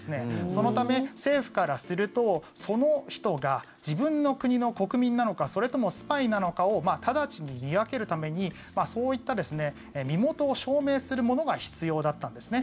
そのため、政府からするとその人が自分の国の国民なのかそれともスパイなのかを直ちに見分けるためにそういった身元を証明するものが必要だったんですね。